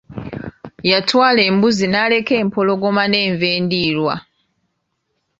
Yatwala embuzi n'aleka empologoma n'enva endiirwa.